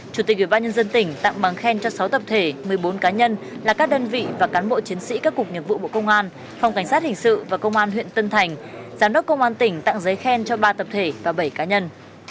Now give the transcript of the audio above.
chủ tịch ủy ban nhân dân tỉnh tặng bằng khen cho sáu tập thể một mươi bốn cá nhân là các đơn vị và cán bộ chiến sĩ các cục nghiệp vụ bộ công an phòng cảnh sát hình sự và công an huyện tân thành giám đốc công an tỉnh tặng giấy khen cho ba tập thể và bảy cá nhân